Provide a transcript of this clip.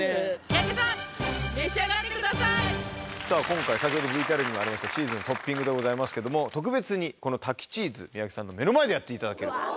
さぁ今回先ほどＶＴＲにもありましたチーズのトッピングでございますけども特別にこの滝チーズ三宅さんの目の前でやっていただける。